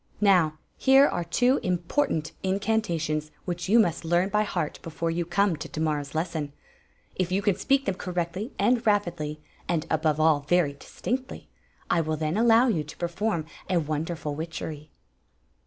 « Now. here are two important incan^ 15+ Queen Zixi of Ix; or, the tations which you must learn by heart before you come to to morrow's lesson. If you can speak them cor rectly and rapidly, and above all very distinctly, I will then allow you to perform a wonderful witchery."